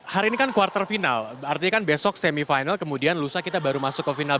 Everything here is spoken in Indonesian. hari ini kan kuarter final artinya kan besok semifinal kemudian lusa kita baru masuk ke final